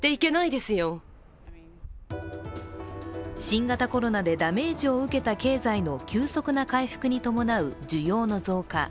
新型コロナでダメージを受けた経済の急速な回復に伴う需要の増加。